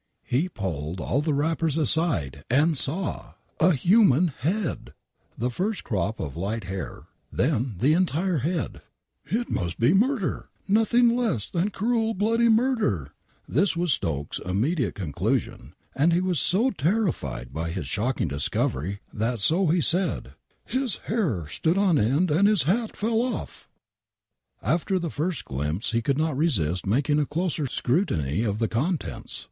He pulled all the wrappers aside and saw — A Human Head !! First the crop of light hair,, then the entire head. " It must be murder !" Nothing less than cruel, bloody, murder "!! I This was Stokes' immediate conclusion, and he was so terrified by his shocking discovery that, so he said :" His Hair Stood on End and His Hat Fell Off "! I After the first glimpse he could not resist making a closer scrutiny of the contents.